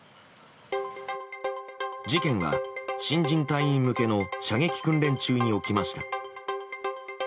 事件は、新人隊員向けの射撃訓練中に起きました。